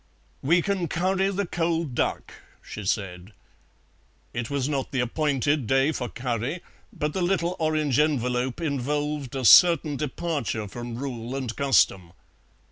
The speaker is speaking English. "We can curry the cold duck," she said. It was not the appointed day for curry, but the little orange envelope involved a certain departure from rule and custom.